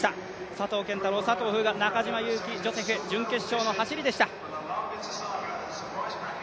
佐藤拳太郎、佐藤風雅、中島佑気ジョセフ、準決勝の走りでした。